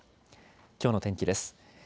きょうの天気です。